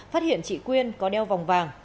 phát hiện chị quyên có đeo vòng vàng